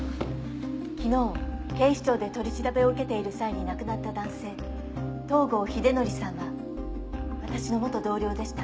昨日警視庁で取り調べを受けている際に亡くなった男性東郷英憲さんはわたしの元同僚でした。